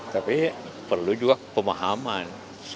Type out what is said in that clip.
tapi perlu juga pemahaman